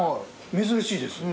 珍しいです。